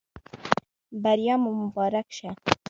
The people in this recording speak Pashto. بریا مو مبارک شه